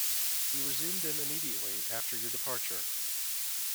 He resumed them immediately after your departure.